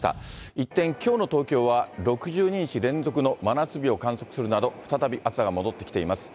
一転、きょうの東京は６２日連続の真夏日を観測するなど、再び暑さが戻ってきています。